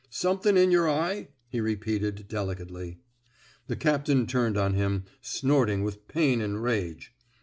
Somethin' in yer eyef '* he repeated, delicately. The captain turned on him, snorting with pain and rage.